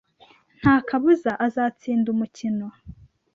Nta kabuza azatsinda umukino.